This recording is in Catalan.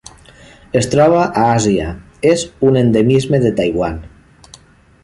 Es troba a Àsia: és un endemisme de Taiwan.